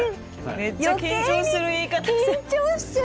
めっちゃ緊張する言い方する。